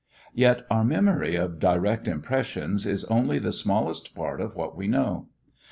Yet our memory of direct impressions is only the smallest part of what we know.